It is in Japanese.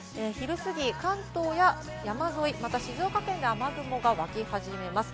昼過ぎ、関東や山沿い、また静岡県で雨雲が湧き始めます。